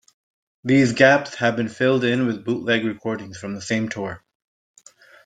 These gaps have been filled in with bootleg recordings from the same tour.